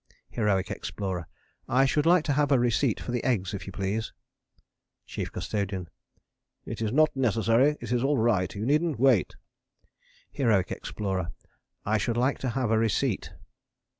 HEROIC EXPLORER. I should like to have a receipt for the eggs, if you please. CHIEF CUSTODIAN. It is not necessary: it is all right. You needn't wait. HEROIC EXPLORER. I should like to have a receipt.